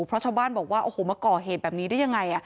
เพราะชาวบ้านบอกว่าโอ้โหมาก่อเหตุแบบนี้ได้ยังไง